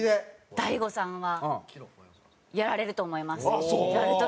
大悟さんはやられると思いますやる時は。